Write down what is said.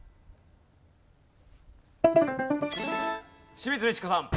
清水ミチコさん。